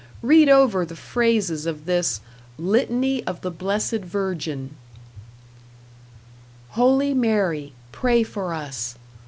Read over the phrases of this "Litany of the Blessed Virgin": Holy Mary, Pray for us.